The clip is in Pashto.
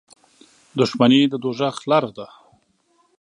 • دښمني د دوزخ لاره ده.